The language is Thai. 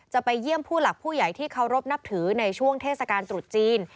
จะไปเยี่ยมผู้หลักผู้ใหญ่ที่เคารพนับถือในช่วงเทศกาลตรุษจีน